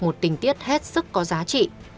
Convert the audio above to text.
một tình tiết hết sức có giá trị